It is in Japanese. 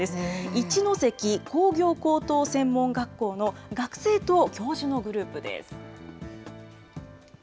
一関工業高等専門学校の学生と教授のグループです。